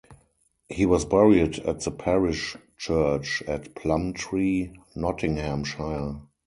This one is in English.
He was buried at the parish church at Plumtree, Nottinghamshire.